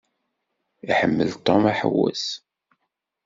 Iḥemmel Tom aḥewwes.